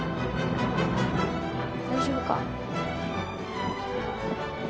大丈夫か？